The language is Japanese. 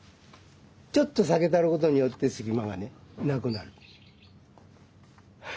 ちょっと下げたることによって隙間がねなくなる。